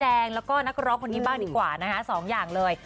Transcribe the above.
แสดงแล้วก็นักร้องคนนี้บ้างดีกว่านะคะสองอย่างเลย